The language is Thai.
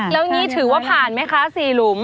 แล้วอย่างนี้ถือว่าผ่านไหมคะ๔หลุม